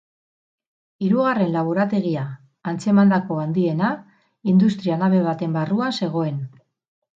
Hirugarren laborategia, antzemandako handiena, industria-nabe baten barruan zegoen.